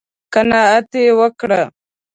_قناعت يې وکړ؟